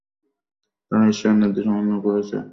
তারা ঈশ্বরের নির্দেশ অমান্য করেছে!